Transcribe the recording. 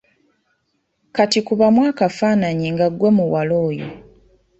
Kati kubamu akafaananyi nga ggwe muwala oyo.